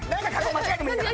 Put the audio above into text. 間違えてもいいから。